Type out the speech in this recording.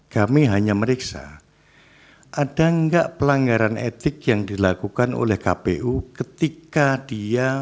kami hanya meriksa ada enggak pelanggaran etik yang dilakukan oleh kpu ketika dia